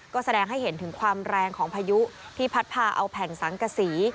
ก็แสดงให้เห็นถึงความแรงของพายุที่พัดพาเอาแผ่นสังกษี